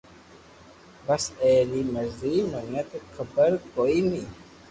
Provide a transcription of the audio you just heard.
بس اي ري مري مني تو حبر ڪوئي ني